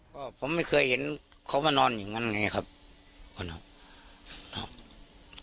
ก็ผมไม่เคยเห็นเขามานอนอย่างนั้นไงครับคนครับครับ